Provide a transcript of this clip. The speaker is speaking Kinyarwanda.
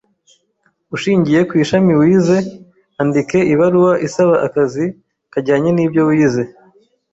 Ushingiye ku ishami wize, andike ibaruwa isaba akazi kajyanye n’ibyo wize